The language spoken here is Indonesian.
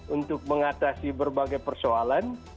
untuk mengatasi berbagai persoalan